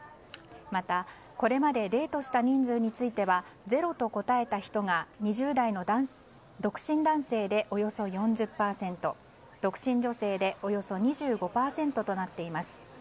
また、これまでデートした人数については０と答えた人が２０代の独身男性でおよそ４０％独身女性でおよそ２５％となっています。